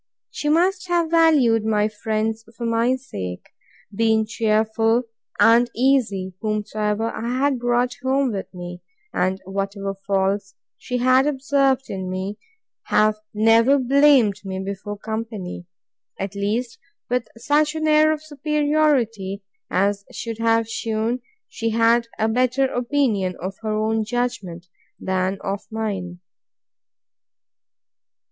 She must have valued my friends for my sake; been cheerful and easy, whomsoever I had brought home with me; and, whatever faults she had observed in me, have never blamed me before company; at least, with such an air of superiority, as should have shewn she had a better opinion of her own judgment, than of mine.